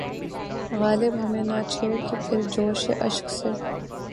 غالب ہمیں نہ چھیڑ کہ پھر جوشِ اشک سے